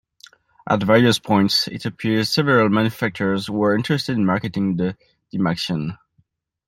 At various points, it appeared several manufacturers were interested in marketing the Dymaxion.